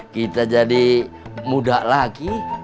kita jadi muda lagi